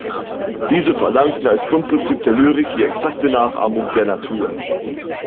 Diese verlangten als Grundprinzip der Lyrik die exakte Nachahmung der Natur.